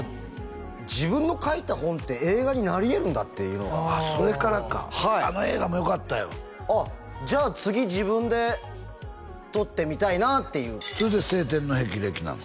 自分の書いた本って映画になり得るんだっていうのがああそれからかあの映画もよかったよあっじゃあ次自分で撮ってみたいなっていうそれで「青天の霹靂」なの？